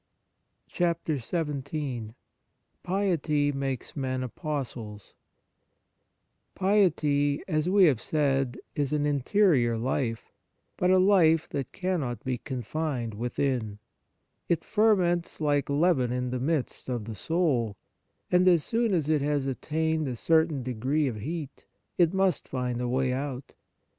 XVII PIETY MAKES MEN APOSTLES PIETY, as we have said, is an interior life, but a life that can not be confined within. It ferments like leaven in the midst of the soul, and as soon as it has attained a cer tain degree of heat, it must find a way out.